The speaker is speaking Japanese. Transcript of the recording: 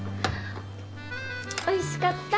おいしかった！